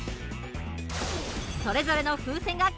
それぞれの風船が完成！